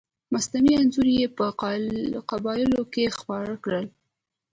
مصنوعي انځورونه یې په قبایلو کې خپاره کړل.